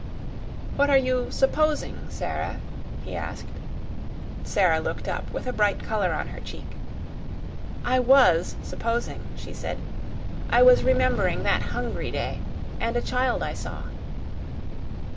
"What are you 'supposing,' Sara?" he asked. Sara looked up, with a bright color on her cheek. "I WAS supposing," she said; "I was remembering that hungry day, and a child I saw."